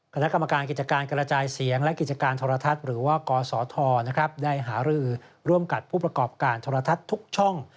คณะกรรมการกิจการกระจายเสียงและกิจการโทรทัศน์หรือว่ากศธได้หารือร่วมกับผู้ประกอบการโทรทัศน์ทุกช่อง